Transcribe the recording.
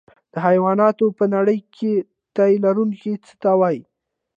د حیواناتو په نړۍ کې تی لرونکي څه ته وایي